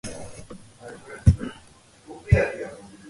ამ ომში ოსმალეთი ცდილობდა მიემხრო საქართველოს მეფე-მთავრები.